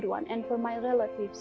dan saya berharap mereka bisa